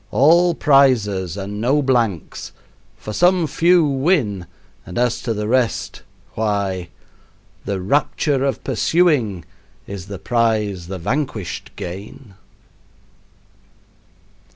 all prizes and no blanks; for some few win, and as to the rest, why "The rapture of pursuing Is the prize the vanquished gain."